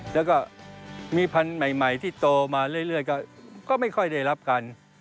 แล้วก็มีพันธุ์ใหม่ที่โตมาเรื่อยก็ไม่ค่อยได้รับกัน